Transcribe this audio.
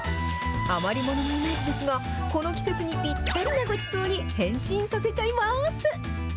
余り物のイメージですが、この季節にぴったりなごちそうに変身させちゃいます。